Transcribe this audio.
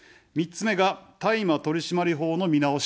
３つ目が大麻取締法の見直し。